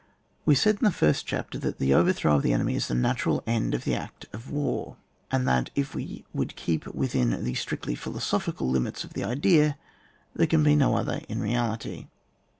We said, in the first chapter, that the overthrow of the enemy is the natural end of the act of War ; and that if we would keep within the strictly philoso phical limits of the idea, there can be no other in reality.